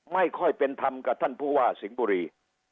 ไม่ค่อยเป็นธรรมกับท่านผู้ว่าสิงห์บุรี